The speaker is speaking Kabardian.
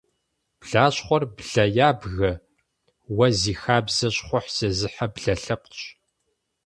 Блащхъуэр блэ ябгэ, уэ зи хабзэ, щхъухь зезыхьэ блэ лъэпкъщ.